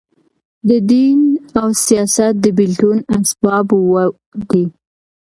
د دین او سیاست د بېلتون اسباب اووه دي.